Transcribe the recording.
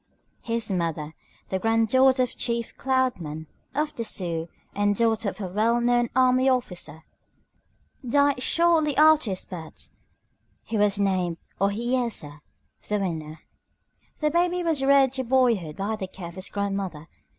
His mother, the granddaughter of Chief "Cloud Man" of the Sioux and daughter of a well known army officer, died shortly after his birth. He was named Ohiyesa (The Winner). The baby was reared to boyhood by the care of his grandmother.